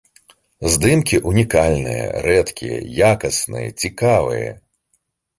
Здымкі ўнікальныя, рэдкія, якасныя, цікавыя.